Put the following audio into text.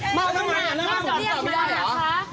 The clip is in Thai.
ผมไม่ผมพูดผมพูด